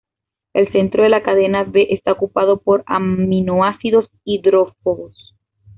El centro de la cadena B está ocupado por aminoácidos hidrófobos.